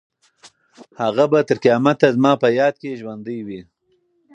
هغه به تر قیامته زما په یاد کې ژوندۍ وي.